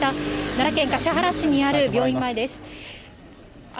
奈良県橿原市にある病院前です。